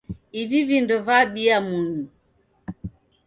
Ivi vindo vabiya munyu.